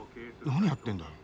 何やってんだよ。